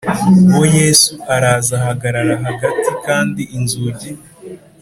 Bo yesu araza abahagarara hagati kandi inzugi